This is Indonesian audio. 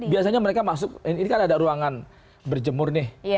biasanya mereka masuk ini kan ada ruangan berjemur nih